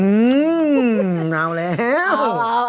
อื้มมเอาแล้ว